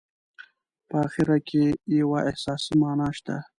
په اخر کې یوه احساسي معنا شته.